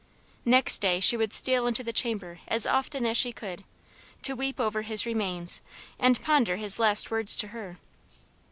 Next day she would steal into the chamber as often as she could, to weep over his remains, and ponder his last words to her.